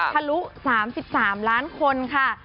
ทะลุ๓๓ล้านคนค่ะ